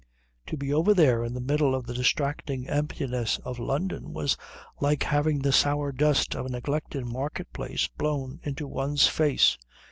To be over there in the middle of the distracting emptiness of London was like having the sour dust of a neglected market place blown into one's face.